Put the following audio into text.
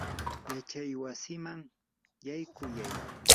yachaywasiman yaykuyay.